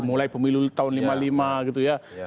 mulai pemilu tahun lima puluh lima gitu ya